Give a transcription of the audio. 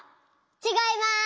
ちがいます。